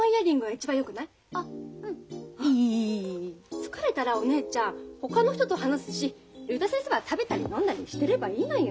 疲れたらお姉ちゃんほかの人と話すし竜太先生は食べたり飲んだりしてればいいのよ。